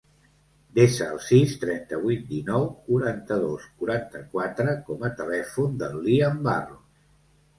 Desa el sis, trenta-vuit, dinou, quaranta-dos, quaranta-quatre com a telèfon del Liam Barros.